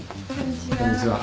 こんにちは。